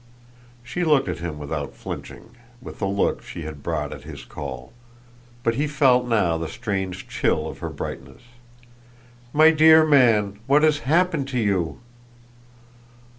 She looked at him without flinching with the look she had brought at his call; but he felt now the strange chill of her brightness. "My dear man, what has happened to you?"